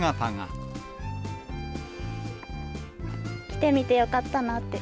来てみてよかったなって。